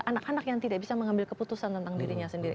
anak anak yang tidak bisa mengambil keputusan tentang dirinya sendiri